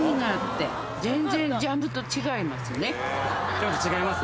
ジャムと違います？